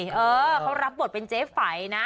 เออเขารับบทเป็นเจ๊ไฝนะ